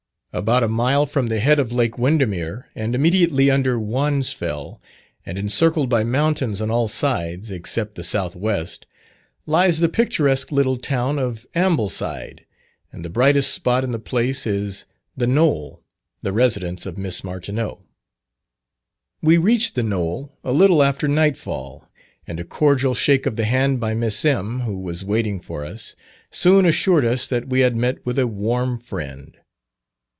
About a mile from the head of Lake Windermere, and immediately under Wonsfell, and encircled by mountains on all sides, except the south west, lies the picturesque little town of Ambleside, and the brightest spot in the place is "The Knoll," the residence of Miss Martineau. We reached "The Knoll" a little after nightfall, and a cordial shake of the hand by Miss M., who was waiting for us, soon assured us that we had met with a warm friend.